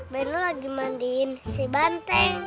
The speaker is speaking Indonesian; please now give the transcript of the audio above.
beno lagi mandiin si banteng